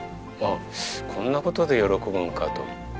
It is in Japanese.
まあこんな事で喜ぶのかと。